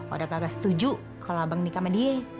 udah kagak setuju kalo bang nikah sama dia